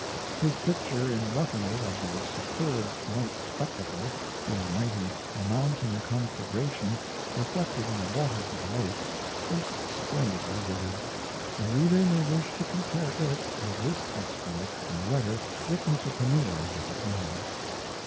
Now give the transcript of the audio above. His picture in 'Roughing It' of the superb night spectacle, the mighty mountain conflagration reflected in the waters of the lake, is splendidly vivid. The reader may wish to compare it with this extract from a letter written to Pamela at the time.